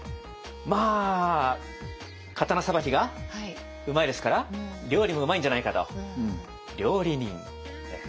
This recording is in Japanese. まあ刀さばきがうまいですから料理もうまいんじゃないかと「料理人」。